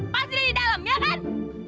pasti ada di dalam ya kan